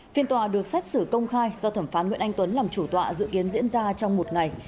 phiên tòa được xét xử công khai do thẩm phán nguyễn anh tuấn làm chủ tọa dự kiến diễn ra trong một ngày